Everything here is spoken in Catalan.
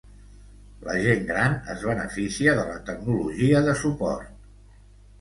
La gent gran es beneficia de la tecnologia de suport.